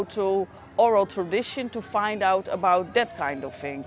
dalam tradisi oral untuk mengetahui tentang hal hal seperti itu